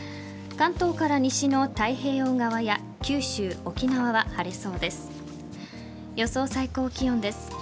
関東から西の太平洋側九州、沖縄は晴れます。